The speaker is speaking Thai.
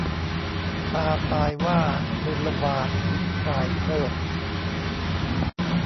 ตาทรายว่านิลวาม พรายเพริศ